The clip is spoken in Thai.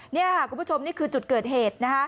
นี่ค่ะคุณผู้ชมนี่คือจุดเกิดเหตุ